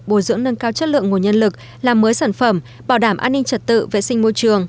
bồi dưỡng nâng cao chất lượng nguồn nhân lực làm mới sản phẩm bảo đảm an ninh trật tự vệ sinh môi trường